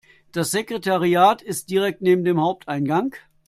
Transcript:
Das Sekretariat ist direkt neben dem Haupteingang.